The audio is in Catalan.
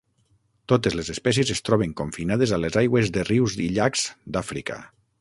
Totes les espècies es troben confinades a les aigües de rius i llacs d'Àfrica.